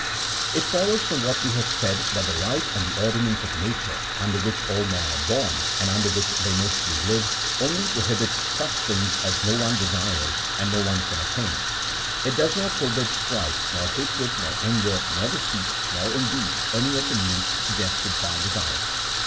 It follows from what we have said that the right and ordinance of nature, under which all men are born, and under which they mostly live, only prohibits such things as no one desires, and no one can attain : it does not forbid strife, nor hatred, nor anger, nor deceit, nor, indeed, any of the means suggested by desire.